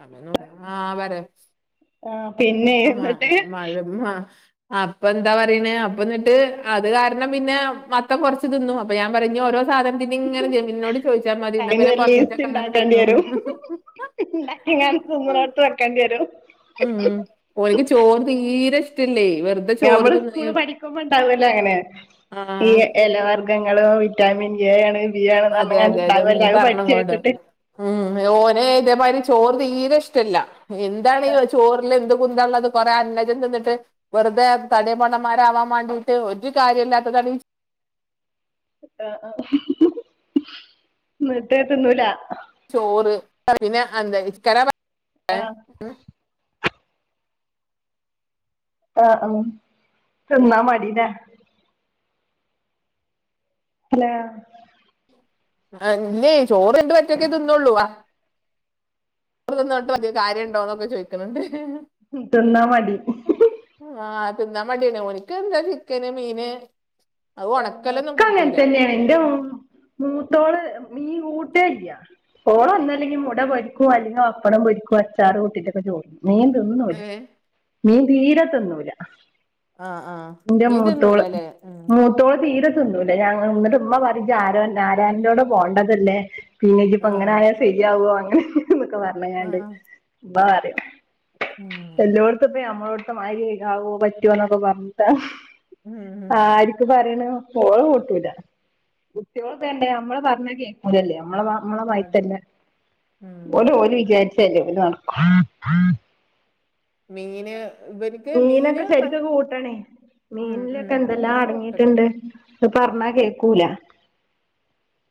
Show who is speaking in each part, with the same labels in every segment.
Speaker 1: ആഹ് പരെ
Speaker 2: ആ പിന്നെ ന്നിട്ട്
Speaker 1: മ് ഹ അപ്പന്താ പറിണ് അപ്പന്നിട്ട് അത് കാരണം പിന്നെ മത്തം കൊർച്ച് തിന്നും അപ്പ ഞാമ്പറ്യ ഞ്ഞ് ഓരോ സാധനം ഇതിങ്ങനെ ജമിൻ നോട് ചോദിച്ചാമതി ന്ന പിന്നെ
Speaker 2: അയിനൊരു
Speaker 1: കൊറച്ചിച്ചക്കെങ്ങനെ തിന്നോളു
Speaker 2: ന്ന ഇങ്ങൻ തിന്ന്ണോട്ത്ത് വെക്ക ണ്ട്യരും
Speaker 1: ഉം ഓൽക്ക് ചോറ് തീരെഷ്ടല്ലയ് വെറ്ത
Speaker 2: നമ്മള് സ്കൂള് പഠിക്കുമ്പോ ഇണ്ടാവല്ലേ അങ്ങനെ ഈ
Speaker 1: ആഹ്
Speaker 2: എലവർഗ്ഗങ്ങൾ വിറ്റാമിൻ എ ആണ് ബി ആണ്
Speaker 1: അതെ
Speaker 2: ന്ന്പറഞ്ഞ് കാൻ
Speaker 1: അതെ അതെ ഉം
Speaker 2: ഉണ്ടാവുംല്ലെ പഠിച്ചു
Speaker 1: പറഞ്ഞങ്ങോട്
Speaker 2: കേട്ടിട്ട്
Speaker 1: ഉം ഓനെ ഇതേമാതിരി ചോറ് തീരെ ഇഷ്ടല്ല എന്താണ് ചോറില് എന്ത് കുന്താള്ളത് കൊറെ അന്നജം തിന്നിട്ട് വെറുതെ തടിയപ്പൊണ്ണന്മാരാവാൻ വേണ്ടിട്ട് ഒരു കാര്യം ഇല്ലാത്ത തടി
Speaker 2: ന്നിട്ട് തിന്നൂല
Speaker 1: ചോറ് പിന്നെ എന്ത ഇ [inaudible]
Speaker 2: ആഹ് ആഹ് ഉം തിന്നമതി ലെ ഹലോ
Speaker 1: അല്ലേ ചോറ് രണ്ട് വറ്റൊക്കെ തിന്നള്ളൂ തിന്നോട് കാര്യണ്ടോന്നൊക്കെ ചോദിക്ക്ണണ്ട്
Speaker 2: തിന്നാ മടി
Speaker 1: ആഹ് തിന്നാ മടിയന്നേണ് ഓൽക്ക് എന്താ ചിക്കന്, മീന് അത് ഉണക്കലൊന്നും
Speaker 2: ഒക്കെ അങ്ങനെ
Speaker 1: കൂട്ടൂല
Speaker 2: തന്നെയാണ് എന്റെ മൂത്തോള് മീൻ കൂട്ടേല്ല്യ ഓള് ഒന്ന അല്ലെങ്കിൽ മുട പൊരിക്കു അല്ലെങ്കോ പപ്പടം പൊരിക്കോ അച്ചാറ് കൂട്ടിട്ടൊക്കെ ചോറ്ന്നും മീൻ തിന്നൂല
Speaker 1: ഏ
Speaker 2: മീൻ തീരെ തിന്നൂല
Speaker 1: ആഹ് ആഹ് നീ തിന്നൂല ലെ ഉം
Speaker 2: മുത്തോള് തീരെ തിന്നൂല. ഞാൻ ന്നെട്ട് മ്മ പറയും. ജാരാൻ്റോടെ പോണ്ടതല്ലേ പിന്നെജിപ്പോ
Speaker 1: ആ
Speaker 2: ങ്ങനായാ ശരിയാവുവോന്നൊക്കെപർഞ്ഞ്
Speaker 1: ആ
Speaker 2: ക്കാണ്ട് മ്മ പറ്യും
Speaker 1: ഉം
Speaker 2: എല്ലോടത്തുംപ്പ നമ്മളോട്ത്ത മാരി കാവോ പറ്റുവോ ന്നൊക്കെ പറഞ്ഞിട്ട
Speaker 1: ഉം
Speaker 2: ആര് പറയണ ഓള് കൂട്ടൂല കുട്ട്യോള് പ്പൊങ്ങനെ നമ്മള് പറഞ്ഞാ കേക്കൂലല്ലേ നമ്മള നമ്മളെ
Speaker 1: അത്
Speaker 2: മായ്‌ര്ത്തല്ല
Speaker 1: ഉം
Speaker 2: ഓല് ഓല് വിചാരിച്ചയ്‌രിയ നടക്കൊ
Speaker 1: ഇവര്ക്ക് മീന് പ
Speaker 2: ശരിക്ക് കൂട്ടണേ
Speaker 1: ഉം ഉം
Speaker 2: മീൻലൊക്കെ എന്തെല്ലാ
Speaker 1: മീൻ കൂട്ടണം
Speaker 2: അടങ്ങിട്ടുണ്ട് പർഞ്ഞാ കേക്കൂല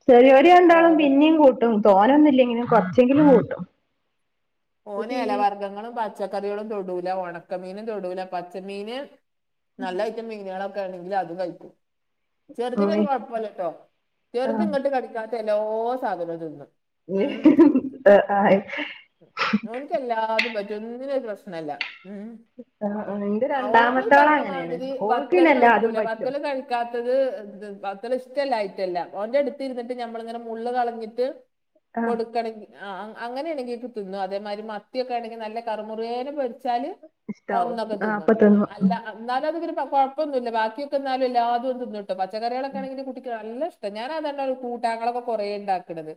Speaker 2: ചെറിയോല് രണ്ടാളും
Speaker 1: ഓരോ
Speaker 2: പിന്നിം കൂട്ടും തോനൊന്നുല്ലെങ്കിലും കുറച്ചെങ്കിലും കൂട്ടും
Speaker 1: ഓനെ ഇലവർഗങ്ങളും പച്ചക്കറികളും തൊടൂല ഉണക്കമീനും തൊടൂല പച്ചമീന്- നല്ല ഐറ്റം മീനുകളൊക്കെ ഉണ്ടെങ്കിൽ അതും കഴിക്കും
Speaker 2: ഉം
Speaker 1: ചെറുതിനിനൊരു കുഴപ്പല്ലട്ടോ ചെറുത്
Speaker 2: ആഹ്
Speaker 1: ഇങ്ങോട്ട് കടിക്കാത്ത എല്ലോ സാധനവും തിന്നും. ഉം
Speaker 2: [unintelligible]
Speaker 1: ഓന്ക്കെല്ലാതും പറ്റും ഒന്നിനൊരു പ്രശ്നവില്ല ഉംഹ്
Speaker 2: ആഹ് ആഹ് ഇന്റെ
Speaker 1: ആഹ് ഓനിക്ക്
Speaker 2: രണ്ടാമത്തോള് അങ്ങനെയാണ്
Speaker 1: പറഞ്ഞമാതിരി
Speaker 2: ഓൾക്ക് പിന്നെ
Speaker 1: വത്തല്
Speaker 2: എല്ലാതും
Speaker 1: കഴിക്കൂല
Speaker 2: പറ്റും
Speaker 1: വത്തല് കഴി ക്കാത്തത് അത്ര ഇഷ്ടല്ലായിട്ടല്ല ഓന്റെട്ത്ത് ഇര്ന്നിട്ട് ഞമ്മളിങ്ങനെ മുള്ള് കളഞ്ഞിട്ട്
Speaker 2: ഉ
Speaker 1: കൊട്ക്കണങ്കി ആഹ് അങ്ങനെയാണെങ്കിക്കെ തിന്നും അതേമാതിരി മത്തിയൊക്കെണെങ്കി നല്ല കറ്മുറേനെ പൊ കഴിച്ചാല് ഒന്നൊക്കെ തിന്നും ആഹ് അല്ല ഇന്നാലു അത്ങ്ങനെ പ കൊഴപ്പൊന്നുല്ല ബാക്കിയൊക്കെന്നാലും എല്ലാതോന് തിന്നുട്ടോ പച്ചക്കറിളൊക്കെണെങ്കി ഇന്റെ കുട്ടിക്ക് നല്ലഷ് ഞാനതെന്നെ കൂട്ടാങ്ങളൊക്കെ കൊറേ ഇണ്ടാക്ക്ണത്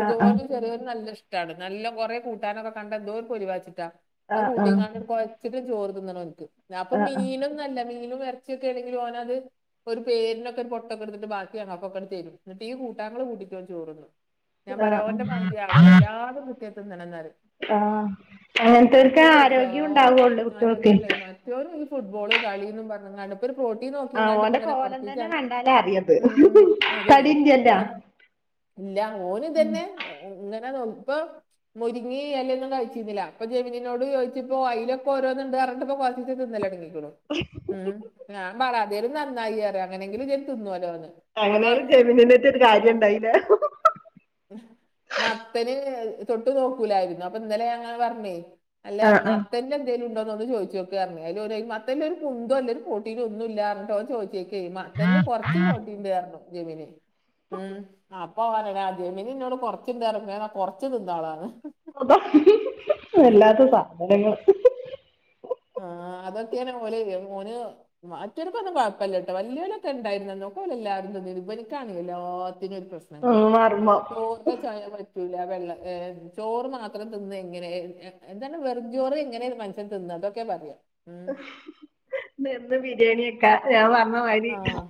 Speaker 2: ആഹ്
Speaker 1: ഓന് ചെറിയോൻ നല്ലഷ് ട്ടാട്ട് നല്ല കുറെ കൂട്ടാനൊക്കെ കണ്ട എന്തോര് പൊലിവാച്ച്ട്ടാ അഹ്
Speaker 2: ആഹ് ആഹ്
Speaker 1: കൂട്ടിങ്ങാട്ട്
Speaker 2: ആഹ്
Speaker 1: കൊ ച്ചക്കും ചോറ് തിന്നണം ഓൻക്ക് അപ്പൊ
Speaker 2: ആഹ്
Speaker 1: മീനും ന്നെല്ല മീനും ഇറച്ചിയൊക്കെ ആണെങ്കി ഓന ത് ഒര് പേരിനൊക്കെര് പൊട്ട് ക്കെ ടുത്തിട്ട് ബാക്കി ഞങ്ങൾകൊക്കെണ്ട് തരും ങ്ങട്ട് ഈ കൂട്ടാങ്ങള് കൂട്ടീട്ട് ഓൻ ചോറുന്നും ഞാ
Speaker 2: ആഹ്
Speaker 1: പറിം ഓന്റെ
Speaker 2: ആഹ്
Speaker 1: മാരിആവണം എല്ലാ തും കൂട്ട്യാ തിന്നണം
Speaker 2: ആ അങ്ങനത്തെർക്കെ
Speaker 1: മറ്റേത്
Speaker 2: ആരോഗ്യം ഉണ്ടാവൂള്ളൂ കുട്ടികൾക്കെ
Speaker 1: കുട്ട്യോൾ ഈ ഫുട്ബോള് കളീന്ന് പറഞ്ഞിങ്കാണ്ട് ഇപ്പ പ്രോട്ടീൻ
Speaker 2: ആഹ് ഓന്റെ
Speaker 1: നോക്കിങ്ങാണ്ട്പ്പൊങ്ങനെ
Speaker 2: കോലം തന്നെ
Speaker 1: കൊർചിച്ചാ
Speaker 2: കണ്ടാലേ അറിയത്
Speaker 1: ഉം ഉം അതെ
Speaker 2: തടിയില്ലല്ലോ
Speaker 1: ഓൻ ഇല്ല ഓന് ഇതന്നെ ഇങ്ങനെ നോ [unintelligible] ഈ എല ഒന്നും കഴിച്ചിരൂന്നില്ല അപ്പൊ ജെമീനിനോട് ചോദിച്ചപ്പോ അയില് ഒക്കെ ഓരോന്ന്ണ്ട് പറഞ്ഞിട്ട് കൊർച്ചീച്ചേ തിന്നലോടങ്ങി [unintelligible] ഉം ഞാൻ പറാ അധേലും നന്നായി പറയാ അങ്ങനെങ്കിലും ഇജ്ജ് തിന്നല്ലോന്ന്
Speaker 2: അങ്ങനെലും ജമീനിനെറ്റ് ഒരു കാര്യം ഇണ്ടായി ലെ
Speaker 1: മത്തന് തൊട്ട് നോക്കൂലായിരുന്നു അപ്പൊ ഇന്നലെ ഞാൻ ഇങ്ങനെ പറഞ്ഞേ അല്ല
Speaker 2: ആഹ് ആഹ്
Speaker 1: മത്തന്റെ ണ്ടോന്ന് ചോദിച്ചനോക്കർഞ് ഓന് മത്തന്റെ ഒരു കുന്ദുല്ല ഒരു പ്രോട്ടീനുല്ല ഒന്നുല്ല പറഞ്ഞ് ഓൻ ചോദിചോക്കി മത്തൻ ൽ കുറച്ച് പ്രൊട്ടിണ്ടാർഞ്ഞ് ജമീനി ഉം അപ്പൊ ഓന് പറയാ ജമനി ഇന്നോട് കൊറച്ച്ണ്ട് പറഞ്ഞിക്ക്ണ് ഞാന് കൊർച് തിന്നോളാ ന്ന്
Speaker 2: വല്ലാത്ത സാധനങ്ങള്
Speaker 1: ആഹ് അതൊക്കെണ് ഓല് ഓൻ മറ്റൊൽക്കൊന്നും കൊഴപ്പല്ലട്ടെ വല്യോൽക്കെ ഇണ്ടായിനിയെന്നു എല്ലാരും തിന്നിനി ഇവൽക്കാണ് എല്ലാത്തിനും ഒരു പ്രശ്നം
Speaker 2: ഉം [unintelligible]
Speaker 1: ചൊയാ പറ്റൂല വെള്ള ചോറ് മാത്രം തിന്ന് എങ്ങനെ എന്താണ് വെറും ചോറ് എങ്ങനെ മന തിന്നോണ്ടക്കയാ പറയാ ഉം
Speaker 2: [unintelligible] എന്നും ബിരിയാണി വെക്കാ ഞാൻ പറഞ്ഞമാതിരി
Speaker 1: ആഹ്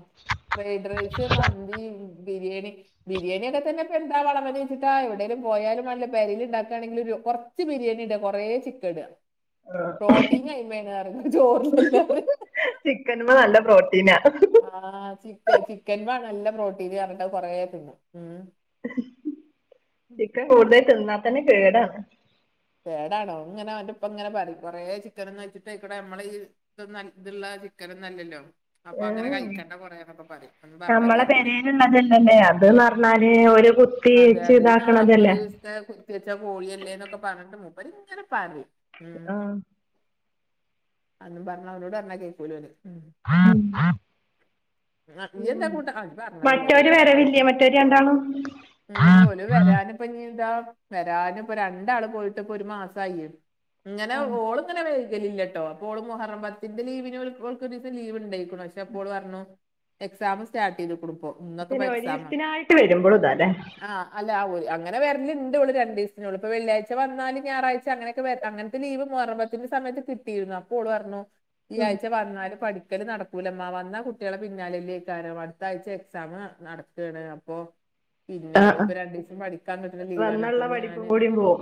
Speaker 1: ഫ്രൈഡ് റൈസ് മന്തി ബിരിയാണി ബിരിയാണി ഒക്കെ തന്നെ ഇപ്പ എന്ത വന്ന് വെച്ചിട്ടാ എവിടേലി പോയാലും വാണ്ടില്ല പേരെൽ ഇണ്ടാക്കണെങ്കിൽ കൊർ കുറച്ച് ബിരിയാണി ഇട കൊറെ ചിക്കൻ പ്രോട്ടീൻ [unintelligible] ചോറില്ലല്ലോ
Speaker 2: ചിക്കൻ മൽ നല്ല പ്രോട്ടീനാ
Speaker 1: ആ ചിക്ക ചിക്കൻലാ നല്ല പ്രോട്ടീന് പറഞ്ട്ട് അതു കൊറെ തിന്നും ഉം
Speaker 2: ചിക്കൻ കൂടുതല് തിന്നാ തന്നെ കേടാണ്
Speaker 1: കേടാണ് ഇങ്ങനെ ഓന്റെ ഇപ്പ ഇങ്ങനെ പറിം കൊറേ ചിക്കൻ തിന്ന് വെച്ചിട്ട് അയിക്കൂടെ നമ്മളീ ഇതൊന്നും ഇത് ഇള്ള ചിക്കനൊന്നല്ലല്ലോ അപ്പൊ അങ്ങനെ
Speaker 2: ഉം
Speaker 1: കഴിക്കണ്ട കുറേ എന്നൊക്കെ പറയും ഒന്നും പറഞ്ഞാ
Speaker 2: നമ്മളെ
Speaker 1: കേക്കൂല
Speaker 2: പെരേല്ള്ളതല്ലേ അത് ന്ന് പറഞ്ഞാല് ഓല് കുത്തി വെച്ച് ഇതാക്കണതല്ലേ
Speaker 1: കുത്തി വെച്ചാ കോഴിയല്ലേന്നൊക്കെ പറഞ്ഞിട്ട് മുപ്പര് ഇങ്ങനെ പറിം
Speaker 2: ആഹ്
Speaker 1: അതും പറഞ് അവുനോട് പറഞ്ഞാ കേക്കൂല ഓന് ഉം
Speaker 2: ഉം
Speaker 1: ആ,
Speaker 2: ഉം
Speaker 1: ഇയ്യെന്താ കൂട്ടാ ആ ഇജ്ജ് പറഞ്ഞല്ലോല്ലേ
Speaker 2: മറ്റോര്
Speaker 1: കൂട്ടാനെന്താ വെച്ച്
Speaker 2: വരലില്ലേ മറ്റോല് രണ്ടാളും
Speaker 1: ഉം
Speaker 2: ആഹ്
Speaker 1: ഓല് വരാനിപ്പോ ഇഞ്ഞി ഇതാ വരാനപ്പോ രണ്ടാള് പോയിട്ട്പ്പൊ ഒരു മാസായി ഇങ്ങനെ ഓള് ഇങ്ങനെ വൈകലില്ലട്ടോ അപ്പോ ഓളും മുഹറം പത്തിന്റെ ലീവിന് ഓൽക്ക് ഒരു ദിവസം ലീവ് ഇണ്ടായിനി പക്ഷെ ഇപ്പൊ ഓള് പറഞ്ഞു എക്സാം സ്റ്റാർട്ട് ചെയ്ത്ക്ക്ണ് പ്പോ
Speaker 2: പിന്നെ ഒരീസത്തിനായിട്ട് വരുമ്പോൾ ഇതാലെ
Speaker 1: ആ അല്ല അങ്ങനെ വര്ല്ണ്ട് ഓള് രണ്ടീസത്തിനു ഇപ്പൊ വെള്ളിയാഴ്ച വന്നാല് ഞായറാഴ്ച അങ്ങനെക്കെ അങ്ങൻത്തെ ലീവ് മുഹറം പത്തിന്റെ സമയത്ത് കിട്ടിയിരുന്നു അപ്പോ ഓള് പറഞ്ഞു ഈ ആഴ്ച്ച വന്നാല് പഠി ക്കല് നടക്കൂലമ്മ വന്ന കുട്ടികളെ പിന്നാലെക്കാരം അടുത്താഴ്ച എക്സാം നടക്കാണ് അപ്പൊ പിന്നെ
Speaker 2: ആഹ് ആഹ്
Speaker 1: ഇപ്പൊ രണ്ടു ദിവസം പഠിക്കാൻ പറ്റുന്ന ലീവാണ് അപ്പൊ
Speaker 2: വന്നുള്ള
Speaker 1: ഇനി
Speaker 2: പഠിപ്പും
Speaker 1: ഞാന്
Speaker 2: കൂടിയും പോവും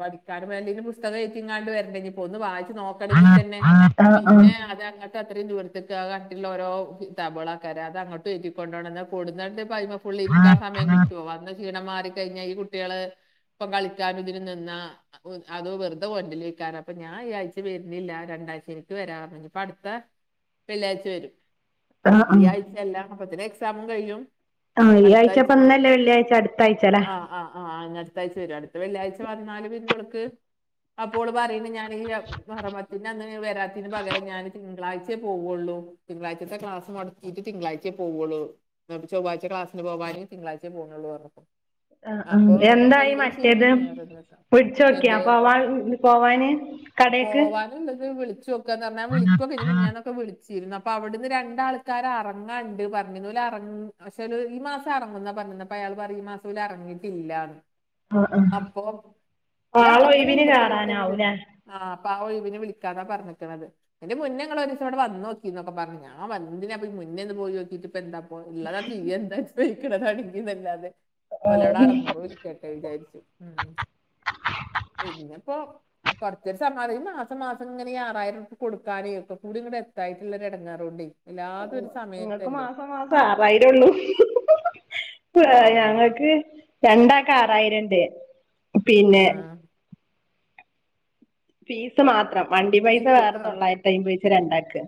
Speaker 1: പഠിക്കാൻ വേണ്ടിട്ട് പുസ്തകം ഏറ്റിങ്ങാണ്ട് വരണ്ടെ ഇഞ്ഞിപ്പോ ഒന്ന് വായിച്ച് നോ ക്കണെങ്കിൽ
Speaker 2: ആഹ്
Speaker 1: തന്നെ
Speaker 2: ആഹ്
Speaker 1: പിന്നെ
Speaker 2: ആഹ്
Speaker 1: അതങ്ങ അത്രയും ദൂരത്തക്ക് ആ കട്ടിള്ള ഓരോ കിതാബ്കളെക്കാരം അത് അങ്ങോട്ട് എറ്റി കൊണ്ടോണം ന്നാ കൊടന്നിട്ട് അയിമക്ക് ഇരിക്കാൻ സമയം
Speaker 2: ആഹ്
Speaker 1: കിട്ടോ വന്ന ക്ഷീണം മാറി കഴിഞ്ഞ ഈ കുട്ടികള് ഇപ്പൊ കളി ക്കാനും ഇതിനും നിന്ന അതോ വെറുതെ കൊണ്ടലയ്കാരം അപ്പൊ ഞാൻ ഈ ആഴ്ച വര്ന്നില്ല രണ്ടാ ശനിക്ക് വരാ പ്പൊ അടുത്ത വെള്ളിയാഴ്ച്ച വരും ഈ
Speaker 2: ആഹ്
Speaker 1: ആഴ്ച അല്ല അപ്പൊത്തിന് എക്സാമും കഴിയും
Speaker 2: ആ ഈ
Speaker 1: അടുത്ത
Speaker 2: ആഴ്ച
Speaker 1: വരും
Speaker 2: ഇപ്പൊന്നല്ലേ വെള്ളിയാഴ്ച അടുത്ത ആയിച ലെ
Speaker 1: ആഹ് ആഹ് അങ്ങനെ അടുത്താഴ്ച വരും അടുത്ത വെള്ളിയാഴ്ച വന്നാല് പിന്നെ ഇവൾക്ക് അപ്പോഓള് പറയുന്ന ഞാൻ ഈ മുഹറമത്തിന്റെ അന്ന് വരാത്തിന് പകരം ഞാന് തിങ്കളാഴ്ചയേ പോവുള്ളൂ തിങ്കളാഴ്ത്തെ ക്ലാസ് മുടക്കിട്ട് തിങ്കളാഴ്ച്ചയെ പോവുള്ളൂ അപ്പ ചൊവ്വാ ക്ലാസിന് പോവാനും തിങ്കളാഴ്ചയെ പോവുള്ളൂ പറഞ്ഞു
Speaker 2: ആഹ് ആഹ് എന്തായി മ റ്റേത്
Speaker 1: ഞായറും നിക്കാം
Speaker 2: വിളിച്ചു നോക്കിയ
Speaker 1: എന്തേ
Speaker 2: പോവാൻ പോവാന് കടയ്ക്ക്
Speaker 1: നോക്കുവാ പറഞ്ഞാ ഞാൻ വിളിക്കൊക്കെ ചെയ്യും മിനിഞ്ഞാന്ന് വിളിക്കൊക്കെ ചെയ്യും അപ്പ അവിടുന്ന് രണ്ടാൾക്കാര് ഇറങ്ങാണ്ട് പറഞ്ഞുല് ഓര് ഇറ പക്ഷെ ഈ മാസം ഇറങ്ങുന്നാ പറഞ്ഞത് അയാൾ പറയും ഈ മാസം മുതൽ ഇറങ്ങിയിട്ടില്ലാന്ന്
Speaker 2: ഓ ആഹ് ആളെ ഒഴിവിന് കേറാനാവുംല്ലേ
Speaker 1: ആഹ് അപ്പൊ ആ ഒഴിവിന് വിളിക്കാന്നാ പറഞ്ഞിക്കണത് ഇതിന്റെ മുന്നിങ്ങള് ഒരു ദിവസിവിടെ വന്ന് നോക്ക്‌ എന്നൊക്കെ പറഞ്ഞു ഞാൻ എന്തിനാപ്പ മുന്നേന്ന് പോയി നോക്കിട്ടിപ്പോ എന്താ ഉള്ളതൊക്കെ ഈ എന്താണ് എന്ന് ചോയിക്കണതാണിതല്ലാതെ ഒലവടെ അറുന്നൂറും ഇരിക്കട്ടെ വിചാരിച്ചു ഉം ഇന്നിപ്പോ കൊർച്ചൊരു സമാധാനം മാസം മാസം ഇങ്ങനെ ഈ ആറായിരം കൊടുക്കാന്. ഒക്കെ കൂടി ഇങ്ങടെ എത്തായിട്ടുള്ളൊരു ഇടങ്ങാറുണ്ടെ
Speaker 2: ങ്ങൾക്ക് മാസം മാസം ആറായിരുള്ളൂ
Speaker 1: ആ
Speaker 2: ഞങ്ങൾക്ക് രണ്ടാൾക്ക്‌ ക്ക്‌ ആറായിരണ്ട്
Speaker 1: ആ
Speaker 2: പിന്നെ ഫീസ് മാത്രം വണ്ടി പൈസ
Speaker 1: ഫീസ്
Speaker 2: വേറെ
Speaker 1: ആ
Speaker 2: തൊള്ളായിരത്തി അയ്മ്പെയിത്തെ രണ്ടാക്ക്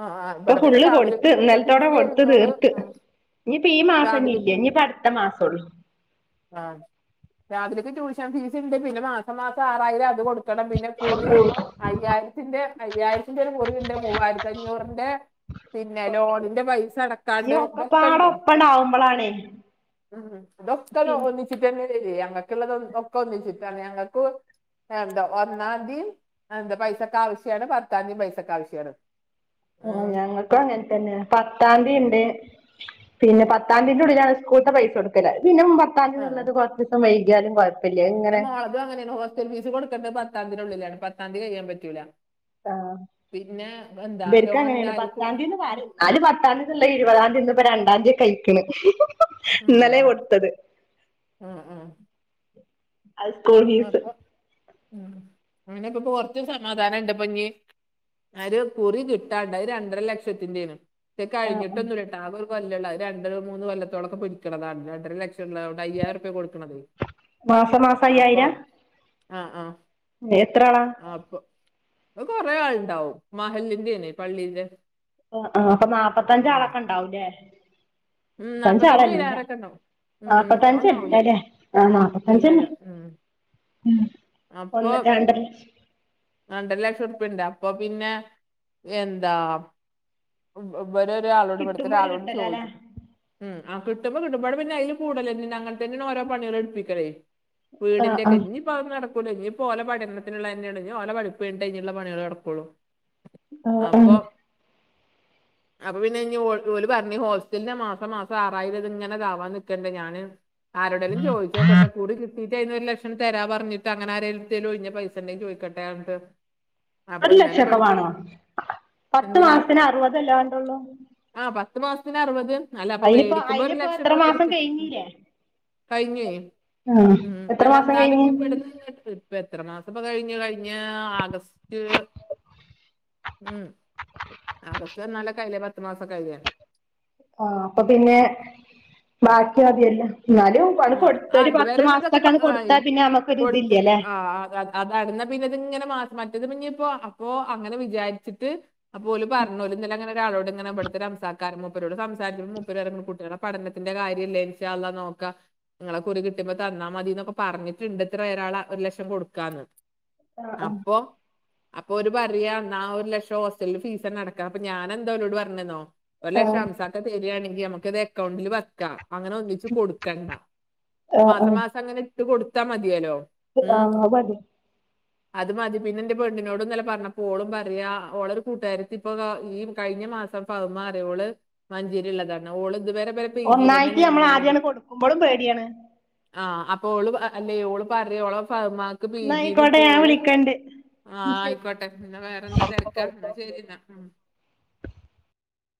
Speaker 1: ആ ആ,
Speaker 2: ഇപ്പൊ
Speaker 1: ഇവിടെ പിന്നെ
Speaker 2: ഫുള്ള് കൊടുത്ത്
Speaker 1: രാവിലെയൊക്കെ ചോദിച്ചാൽ
Speaker 2: ഇന്നലത്തോടെ
Speaker 1: ഫീസ്
Speaker 2: കൊടുത്ത്
Speaker 1: എഴുന്നൂറ്
Speaker 2: തീർത്ത്
Speaker 1: ആ,
Speaker 2: ഇനിയിപ്പ ഈ മാസിനി
Speaker 1: രാവിലെ
Speaker 2: ഇല്ല ഇനിയിപ്പ അടുത്ത മാസം ഉള്ളൂ
Speaker 1: ആഹ് രാത്രിക്ക് ട്യൂഷൻ ഫീസ് ഉണ്ട് പിന്നെ മാസം മാസം ആറായിരം അത് കൊടുക്ക കൊടുക്കണം പിന്നെ കൂറി അയ്യായിരത്തിന്റെ അയ്യായിര ന്റെ ഒരു മുറിവിന്റെ മൂവായിരത്തി അഞ്ഞൂറിന്റെ പിന്നെ ലോണിന്റെ പൈസ അടക്കാനുണ്ട് ഇതൊക്കെണ്ട്
Speaker 2: അവളാണ്
Speaker 1: ഇതൊക്കെ ഒരുമിച്ചിട്ടെന്നേ ചെയ്യ. ഞങ്ങൾക്കുള്ള തൊക്കെ ഒന്നിച്ചിട്ടാണ് ഞങ്ങൾക്കു എന്താ ഒന്നാം തീം എന്താ പൈസക്ക്‌ ആവശ്യമാണ്. പത്താം തീയതി പൈസക്ക്‌ ആവശ്യമാണ്
Speaker 2: ഓ
Speaker 1: ഉം
Speaker 2: ഞങ്ങക്ക് അങ്ങനെ തന്നെ പത്താംതീം ഇണ്ട് പിന്നെ പത്താം തീന്റെ ഉള്ളിലാണ് സ്കൂൾത്തെ പൈസൊടുക്കല് അഹ്പിന്നെപ്പ പത്താം
Speaker 1: ആ
Speaker 2: തിയ്യതിന്നുള്ളത് കുറച്ച് ദിവസം വൈകിയാലും കുഴ
Speaker 1: എന്റെ മോളതും അങ്ങനെയാണ്. ഹോസ്റ്റൽ ഫീസ് കൊടുക്കേണ്ടത് പത്താം തിയതിയുടെ ഉള്ളിലാണ്. പത്താം തിയതി കഴിയാൻ പറ്റൂല
Speaker 2: ആഹ്
Speaker 1: പിന്നെ എന്താ
Speaker 2: ഇബെരുക്കു
Speaker 1: ലോണിന്
Speaker 2: അങ്ങനേണ് പത്താം
Speaker 1: അയൽക്കൂട്
Speaker 2: തീന്ന്
Speaker 1: ഉം
Speaker 2: പറിം ആരും പത്താംതിയൊ ന്നിള്ളെ ഇരുപതാം തീയതി ഇന്ന് ഇപ്പോ രണ്ടാം തീയതിയൊക്കെ ആയിക്കണ്
Speaker 1: ഉം
Speaker 2: ഇന്നലെയാ കൊടുത്തത്
Speaker 1: ഉം ഉം
Speaker 2: അത് സ്കൂൾ ഫീസ്
Speaker 1: അപ്പൊ ഉം അങ്ങനെ ഇപ്പ കൊറച്ച് സമാധാനം ഇണ്ട് ഇപ്പൊ ഇഞ്ഞി ഒരു കുറി കിട്ടാണ്ട്. അത് രണ്ടര ലക്ഷത്തിന്റെ ആണ്. കഴിഞ്ഞിട്ടൊന്നുല്ല ആകെ ഒരു കൊല്ലള്ളൂ അത് രണ്ട് മൂന്ന് കൊല്ലത്തോളൊക്കെ പിടിക്കണതാണ്. രണ്ടര ലക്ഷുള്ള അവിടെ അയ്യായിരം ഉറുപ്പിക കൊടുക്കണത്
Speaker 2: മാസമാസം
Speaker 1: അപ്പം ആഹ് ആഹ്
Speaker 2: എത്ര ആളാ
Speaker 1: അപ്പൊ കൊറേ ആളുണ്ടാവും. മഹല്ലിന്റെ ആണ് പള്ളിന്റെ
Speaker 2: ആഹ് അപ്പൊ നാപ്പത്തഞ്ചാളൊക്കെ ഇണ്ടാവൂല്ലേ?
Speaker 1: ഉം നാപ്പത്തഞ്ച് കിലാരൊക്കെ ഉണ്ടാവും ഉം
Speaker 2: നാപ്പത്തഞ്ച്
Speaker 1: അതൊന്നാവൂല
Speaker 2: അല്ലലെ ആഹ്
Speaker 1: അല്ല
Speaker 2: നാപ്പത്തഞ്ചന്നെ
Speaker 1: അല്ല ഉം
Speaker 2: ഉം
Speaker 1: അപ്പൊ
Speaker 2: ഒന്ന് രണ്ടര ലക്ഷം
Speaker 1: രണ്ടര ലക്ഷം ഉറുപ്പിണ്ട്. അപ്പൊ പിന്നെ എന്താ വേരൊരാളോട് ഇവിടുത്തെ
Speaker 2: കിട്ടുമ്പോ ഒരു
Speaker 1: ഒരാളോട്
Speaker 2: കിട്ടല അല്ലേ
Speaker 1: ചോദിച്ചു ഉം ആഹ് കിട്ടുമ്പോ കിട്ടുമ്പോ പിന്നെ അതിൽ കൂടലന്ന അങ്ങന തന്നെയ ഓരോ പണിക എടുപ്പിക്കലേ
Speaker 2: ആ ആ
Speaker 1: വീടിന്റൊക്കെ പറ നടക്കൂ ഇ ഇപ്പോ ഓല പഠനത്തിനുള്ള തെഓല പഠിപ്പ്ണ്ട് കഴിഞ്ഞുള്ള പണികൾ നടക്കുള്ളൂ
Speaker 2: ആഹ് ആഹ്
Speaker 1: അപ്പൊ അപ്പൊ പിന്നെ ഓല് പറഞ് ഹോസ്റ്റലിന്റെ മാസം മാസം ആറായിരം ഇങ്ങനെതാവാൻ നിക്കണ്ടേ ഞാന് ആരോടെങ്കിലും ചോയി ചോ ചോക്കട്ടെ കുറി കിട്ടീട്ട് ഒരു ലക്ഷം തരാ പറഞ്ഞിട്ട് അങ്ങനെനാരുടെലടുത് ഒഴിഞ്ഞ പൈസണ്ടങ്ങി ചോയിക്കട്ടെ ആട്ട്
Speaker 2: ഒരു ലക്ഷക്കെ വേണോ പത്ത് മാസത്തിന് അറുപതല്ല വണ്ടള്ളൂ
Speaker 1: ആഹ് പത്ത് മാസത്തിന് അറുപത് അല്ല അപ്പൊ
Speaker 2: അതിലിപ്പോ
Speaker 1: മേടിക്കുമ്പോ ഒരു
Speaker 2: അതിലിപ്പോ
Speaker 1: ലക്ഷം
Speaker 2: എത്ര
Speaker 1: രൂപ
Speaker 2: മാസം
Speaker 1: മേടിക്ക
Speaker 2: കഴിഞ്ഞില്ലേ
Speaker 1: കഴിഞ്ഞയേ
Speaker 2: ആഹ്
Speaker 1: ഉം
Speaker 2: എത്ര മാസം
Speaker 1: എന്നാലും
Speaker 2: കഴിഞ്ഞ്
Speaker 1: ഇവിടെ [unintelligible] ഇപ്പൊ എത്ര മാസം ഇപ്പ കഴിഞ്ഞു കഴിഞ്ഞ ആഗസ്റ്റ് ഉം ആഗസ്റ്റ് വന്നാലൊക്കെ ആയില്ലേ പത്ത് മാസം കഴിയാൻ
Speaker 2: ആഈ അപ്പൊ പിന്നെ
Speaker 1: ഉം.
Speaker 2: ബാക്കി മതില്ല എന്നാലും അത്
Speaker 1: ആ
Speaker 2: കൊടുത്ത
Speaker 1: ആ,
Speaker 2: ഒരു
Speaker 1: ഇതുവരെ
Speaker 2: പത്ത്
Speaker 1: ഉള്ളതൊക്കെ പ-
Speaker 2: മാസത്തേക്കൊക്കെ
Speaker 1: ആയി.
Speaker 2: കൊടുത്താ പിന്നെ നമക്കൊരിത്തില്ലലെ
Speaker 1: [unintelligible] പിന്നതങ്ങിനെ [unintelligible] മറ്റത് പിന്നിപ്പോ അപ്പൊ അങ്ങനെ വിചാരിച്ചിട്ട് അപ്പോ ഓല് പറഞൊല് ഇന്നലെ ഇങ്ങനൊരാളോട് ഇങ്ങനെ ഇവിട്ത്തെ ഒരു റംസ കാര മുപ്പരോട് സംസാരിച്ച്പ മുപ്പര് പറയ കുട്ടികള പഠനത്തിന്റെ കാര്യല്ലേ ഇന്ഷാ അള്ളാ നോക്കാ നിങ്ങളെ കുറി കിട്ടിയുമ്പോ തന്നാൽ മതിന്നൊക്കെ പറഞ്ഞിട്ടുണ്ട്ത്ര ഒരാളെ ഒരു ലക്ഷം കൊടുക്കാന്ന്
Speaker 2: ആഹ്
Speaker 1: അപ്പൊ അപ്പൊ ഓര് പറയ എന്നാ ഒരു ലക്ഷം ഹോസ്റ്റലിൽ ഫീസന്നെടക്കാം അപ്പൊ ഞാൻ എന്താ ഓലോട് പറഞ്ഞെന്നോ ഒരു
Speaker 2: ആഹ്
Speaker 1: ലക്ഷം ഹംസാക്ക തേരാണെങ്കി നമുക്ക് ഇത് അക്കൗണ്ടില് വയ്ക്കാം അങ്ങനെ ഒന്നിച്ച് കൊടുക്കണ്ട
Speaker 2: ആഹ്
Speaker 1: മാസ മാസം അങ്ങനെ ഇട്ട് കൊടുത്താ മതിയലോ
Speaker 2: ആഹ് മതി
Speaker 1: അത് മതി പിന്നെ എന്റെ പെണ്ണിനോട്ന്നല്ല പറഞ്ഞപ്പോളും പറയാ ഓൾടെ ഒരു കൂട്ടുകാരത്തി ഇപ്പപ്പോ ഈ കഴിഞ്ഞ മാസം പഹ് മരോള് മഞ്ചേരില്ള്ളത ഓള് ഇതു വരെ പി ജിയിൽ തന്നെ
Speaker 2: ഒന്നായിട്ട് നമ്മള്
Speaker 1: നിന്നിരുന്നത്
Speaker 2: ആദ്യായിട്ട് കൊടുക്കുമ്പോളും പേടിയാണ്
Speaker 1: ആഹ് അപ്പൊ ഓള് അല്ലെയ് ഓള് പറിയൊയ് അപ്പൊ ഓള് മ്മാക്ക്
Speaker 2: ന്നായിക്കോട്ടെ ഞാൻ വിളിക്കണ്ട്
Speaker 1: ആഹ്
Speaker 2: ശരി
Speaker 1: ആയിക്കോട്ടെ എന്നാ വേറെന്താ തെരക്കാ ശെരി എന്നാ